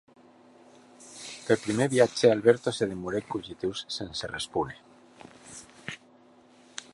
Per prumèr viatge Alberto se demorèc cogitós, sense respóner.